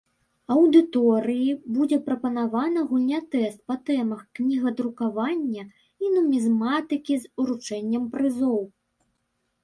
Аўдыторыі будзе прапанавана гульня-тэст па тэмах кнігадрукавання і нумізматыкі з уручэннем прызоў.